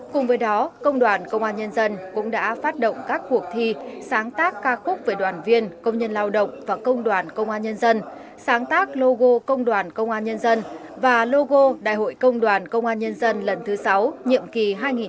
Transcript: cùng với đó công đoàn công an nhân dân cũng đã phát động các cuộc thi sáng tác ca khúc về đoàn viên công nhân lao động và công đoàn công an nhân dân sáng tác logo công đoàn công an nhân dân và logo đại hội công đoàn công an nhân dân lần thứ sáu nhiệm kỳ hai nghìn hai mươi hai nghìn hai mươi năm